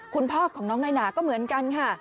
คุณพ่อของน้องนายหนาก็เหมือนกันค่ะ